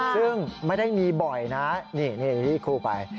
ซึ่งไม่ได้มีบ่อยนะนี่คู่ไป